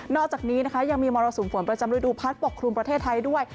อกจากนี้นะคะยังมีมรสุมฝนประจำฤดูพัดปกครุมประเทศไทยด้วย